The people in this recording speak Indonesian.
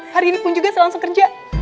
hari ini pun juga saya langsung kerja